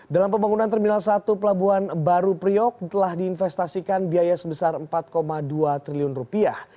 dalam pembangunan terminal satu pelabuhan baru priok telah diinvestasikan biaya sebesar empat dua triliun rupiah